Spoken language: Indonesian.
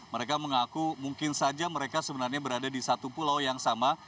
mereka mengaku mungkin saja mereka sebenarnya berada di satu pulau yang sama